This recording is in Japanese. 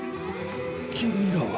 君らは？